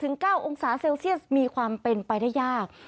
๙องศาเซลเซียสมีความเป็นไปได้ยาก